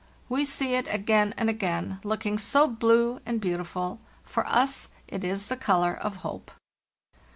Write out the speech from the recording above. We see it again and again, looking so blue and beau tiful; for us it is the color of hope.